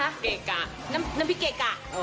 เกะกะน้ำพริกเกะกะ